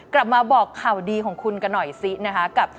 กลับมาบอกข่าวดีของคุณกันหน่อยซินะคะกับ